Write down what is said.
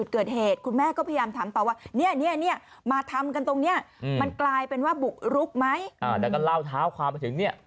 คันนี้มันหนีมาเนี่ย